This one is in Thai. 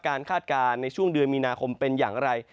คาดการณ์ในช่วงเดือนมีนาคมเป็นอย่างไร